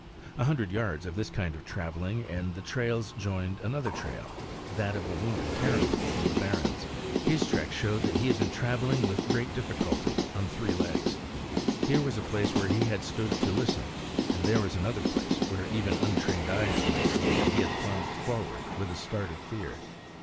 A hundred yards of this kind of traveling and the trails joined another trail, that of a wounded caribou from the barrens. His tracks showed that he had been traveling with difficulty on three legs. Here was a place where he had stood to listen; and there was another place where even untrained eyes might see that he had plunged forward with a start of fear.